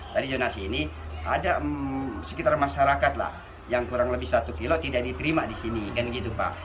jadi zonasi ini ada sekitar masyarakat lah yang kurang lebih satu kilo tidak diterima di sini kan gitu pak